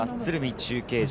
中継所。